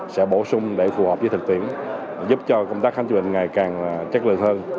sẽ bổ sung để phù hợp với thực tiễn giúp cho công tác khám chữa bệnh ngày càng chất lượng hơn